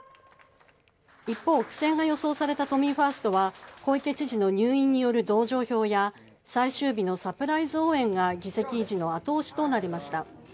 一方、苦戦が予想された都民ファーストは小池知事の入院による同情票や最終日のサプライズ応援が議席維持の後押しとなりました。